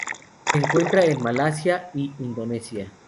Se encuentra en Malasia y Indonesia.